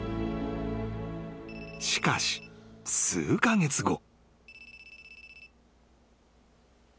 ［しかし数カ月後］